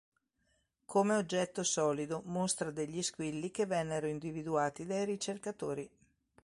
Come oggetto solido, mostra degli "squilli" che vennero individuati dai ricercatori.